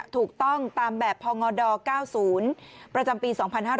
ถูกต้องตามแบบพงด๙๐ประจำปี๒๕๕๙